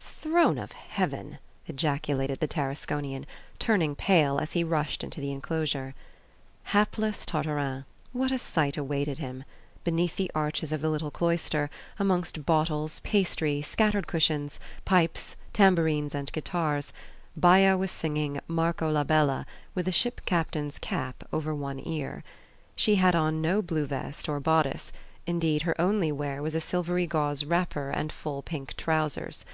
"Throne of heaven!" ejaculated the Tarasconian, turning pale, as he rushed into the enclosure. Hapless Tartarin! what a sight awaited him! Beneath the arches of the little cloister, amongst bottles, pastry, scattered cushions, pipes, tambourines, and guitars, Baya was singing "Marco la Bella" with a ship captain's cap over one ear. She had on no blue vest or bodice; indeed, her only wear was a silvery gauze wrapper and full pink trousers.